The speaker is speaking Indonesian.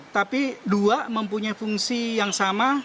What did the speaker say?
tapi dua mempunyai fungsi yang sama